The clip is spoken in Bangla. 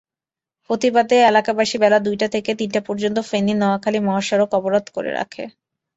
প্রতিবাদে এলাকাবাসী বেলা দুইটা থেকে তিনটা পর্যন্ত ফেনী-নোয়াখালী মহাসড়ক অবরোধ করে রাখে।